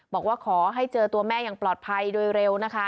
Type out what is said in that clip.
บอกว่าขอให้เจอตัวแม่อย่างปลอดภัยโดยเร็วนะคะ